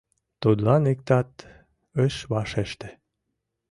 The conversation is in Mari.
Тудлан иктат ыш вашеште.